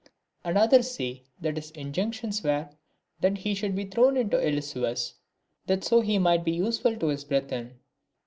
And others say that his injunctions were, that he should be thrown into the Ilissus ; that so he might be useful to his brethren.